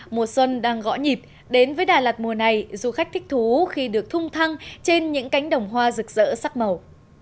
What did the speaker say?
mùa xuân đang gõ nhịp đến với đà lạt mùa này du khách thích thú khi được thung trên những cánh đồng hoa rực rỡ sắc màu